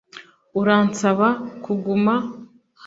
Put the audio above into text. Uransaba kuguma